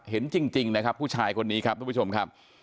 เห็นจริงนะครับผู้ชายคนนี้ครับทุกผู้ชมครับ